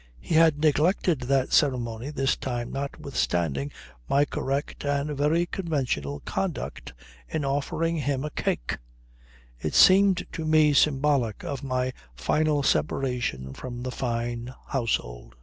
He had neglected that ceremony this time notwithstanding my correct and even conventional conduct in offering him a cake; it seemed to me symbolic of my final separation from the Fyne household.